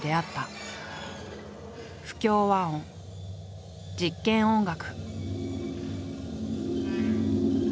不協和音実験音楽。